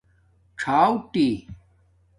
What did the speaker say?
څاݸٹی